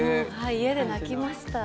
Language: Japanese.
家で泣きました